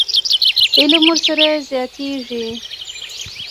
علم ورسره زیاتېږي.